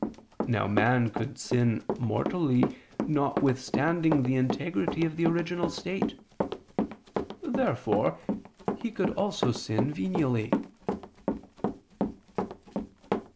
Now man could sin mortally notwithstanding the integrity of the original state. Therefore he could also sin venially.